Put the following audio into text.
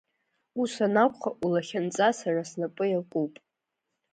Ус анакәха, улахьынҵа сара снапы иакуп.